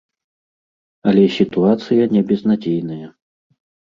Але сітуацыя не безнадзейная.